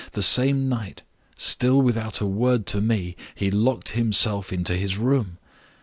The same night (still without a word to me) he locked himself into his room.